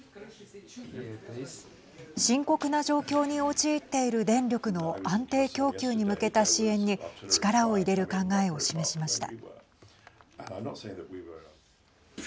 深刻な状況に陥っている電力の安定供給に向けた支援に力を入れる考えを示しました。